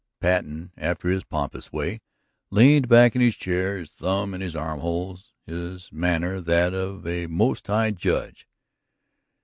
Patten, after his pompous way, leaned back in his chair, his thumbs in his armholes, his manner that of a most high judge.